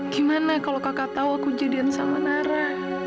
gimana kalau kakak tahu aku jadian sama nara